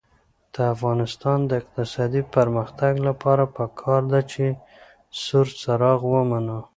د افغانستان د اقتصادي پرمختګ لپاره پکار ده چې سور څراغ ومنو.